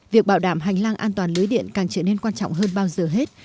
việc bảo đảm hành lang an toàn lưới điện càng trở nên quan trọng hơn bao giờ hết